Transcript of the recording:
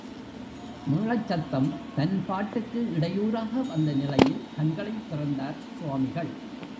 மேளச் சத்தம் தன் பாட்டுக்கு இடையூராக வந்த நிலையில் கண்களைத் திறந்தார் சுவாமிகள்.